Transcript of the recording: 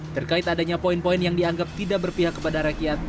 terkait adanya poin poin yang dianggap tidak berpihak kepada rakyat